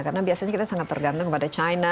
karena biasanya kita sangat tergantung pada china